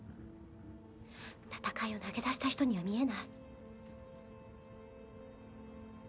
戦いを投げ出した人には見えない